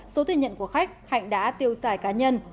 số tiền nhận của khách hạnh đã tiêu xài cá nhân